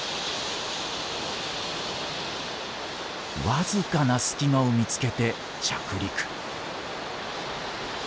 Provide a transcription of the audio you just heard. わずかな隙間を見つけて着陸。